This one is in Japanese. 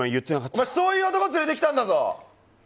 お前はそういう男を連れてきたんだぞ。